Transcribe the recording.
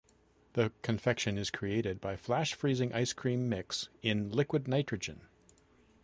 The confection is created by flash freezing ice cream mix in liquid nitrogen.